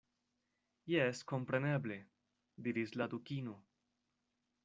"Jes, kompreneble," diris la Dukino.